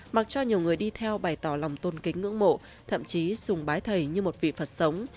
mặc cho nhiều người đi theo bày tỏ lòng tôn kính ngưỡng mộ thậm chí sùng bái thầy như một vị phật sống